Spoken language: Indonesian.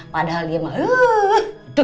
padahal dia malu malu